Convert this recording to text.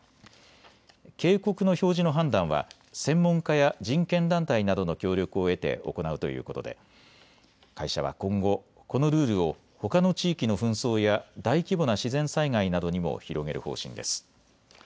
警告の表示の判断は専門家や人権団体などの協力を得て行うということで、会社は今後、このルールをほかの地域の紛争や大規模な自然災害などにも広げる方針です。